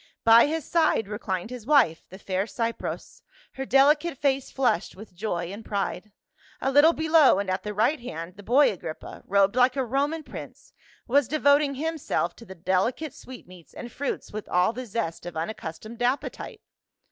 By his side reclined his wife, the fair Cypros, her delicate face flushed with joy and pride ; a little below and at the right hand the boy Agrippa, robed like a Roman prince, was devoting himself to the deli cate sweetmeats and fruits with all the zest of unac customed appetite.